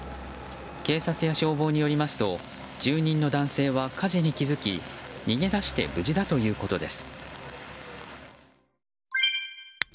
警察や消防によりますと住人の男性は火事に気付き逃げ出して無事だということです。